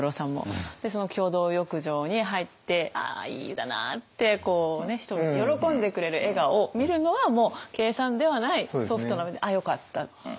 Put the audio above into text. その共同浴場に入って「ああいい湯だな」ってこう人が喜んでくれる笑顔を見るのはもう計算ではないソフトな面であよかったって。